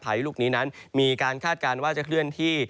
ลูกนี้นั้นมีการคาดการณ์ว่าจะเคลื่อนที่